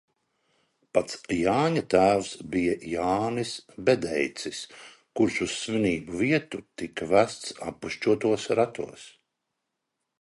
Pats Jāņa tēvs bija Jānis Bedeicis, kurš uz svinību vietu tika vests appušķotos ratos.